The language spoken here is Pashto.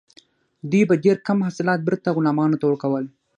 دوی به ډیر کم حاصلات بیرته غلامانو ته ورکول.